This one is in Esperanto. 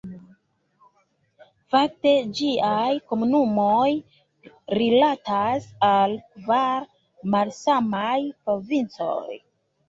Fakte ĝiaj komunumoj rilatas al kvar malsamaj provincoj.